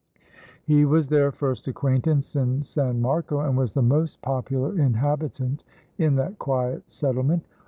He was their first acquaintance in San Marco, and was the most popular inhabitant in that quiet settlement.